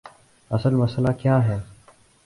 اصل مسئلہ کیا ہے؟